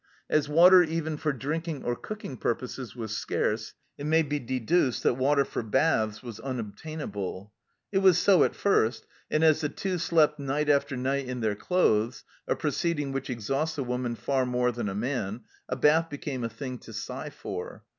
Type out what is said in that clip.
As water even for drinking or cooking purposes was scarce, it may be deduced that water for baths was unobtainable. It was so at first, and as the Two slept night after night in their clothes a pro ceeding which exhausts a woman far more than a man a bath became a thing to sigh for.